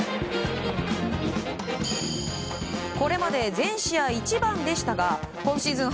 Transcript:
これまで全試合１番でしたが今シーズン